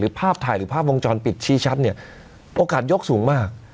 ภาพถ่ายหรือภาพวงจรปิดชี้ชัดเนี่ยโอกาสยกสูงมาก